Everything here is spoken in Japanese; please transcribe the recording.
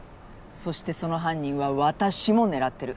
そしてその犯人は私も狙ってる。